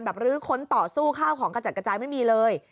ลื้อค้นต่อสู้ข้าวของกระจัดกระจายไม่มีเลย